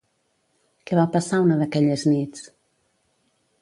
Què va passar una d'aquelles nits?